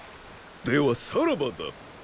ではさらばだ！